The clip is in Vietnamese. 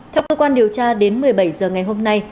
theo cơ quan điều tra đến một mươi bảy h ngày hôm nay